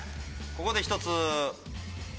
ここで１つ。